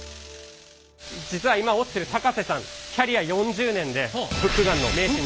実は今織ってる高瀬さんキャリア４０年でフックガンの名手に。